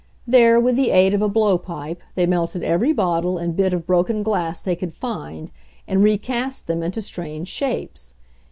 There, with the aid of a blow pipe, they melted every bottle arid bit of broken glass they could find and recast them into strange shapes.